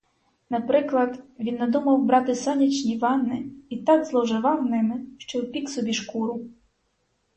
Наприклад, він надумав брати сонячні ванни і так зловживав ними, що обпік собі шкуру.